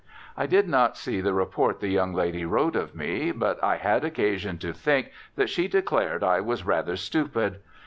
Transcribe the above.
I did not see the report the young lady wrote of me, but I had occasion to think that she declared I was rather stupid.